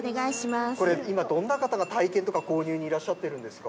これ、今どんな方が体験とか購入にいらっしゃってるんですか。